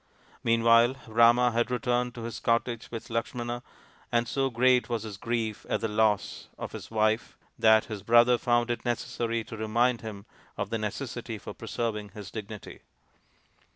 Meanwhile Rama had returned to his cottage with Lakshmana, and so great was his grief at the loss of his wife that his brother found it necessary to remind him of the necessity for preserving his dignity.